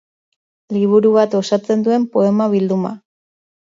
Liburu bat osatzen duen poema bilduma.